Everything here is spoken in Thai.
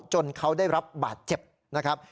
จนเขาได้รับบาดเจ็บนะครับ